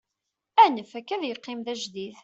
anef akka ad yeqqim d ajdid